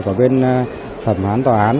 của bên thẩm phán tòa án